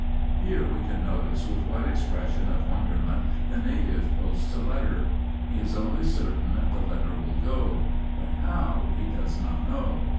Here we can notice with what expression of wonderment the native posts a letter. He is only certain the letter will go, but how, he does not know.